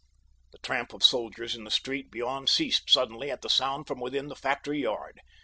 The tramp of soldiers in the street beyond ceased suddenly at the sound from within the factory yard.